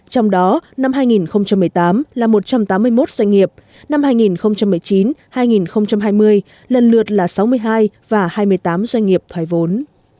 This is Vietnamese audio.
trong đó năm hai nghìn một mươi tám là một trăm tám mươi một doanh nghiệp năm hai nghìn một mươi chín hai nghìn hai mươi lần lượt là sáu mươi hai và hai mươi tám doanh nghiệp thoái vốn